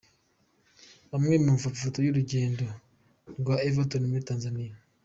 Amwe mu mafoto y’urugendo rwa Everton muri Tanzania:.